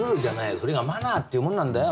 それがマナーってもんなんだよ。